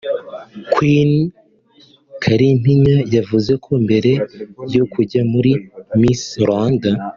Queen Kalimpinya yavuze ko mbere yo kujya muri Miss Rwanda